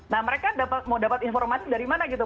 nah mereka mau dapat informasi dari mana gitu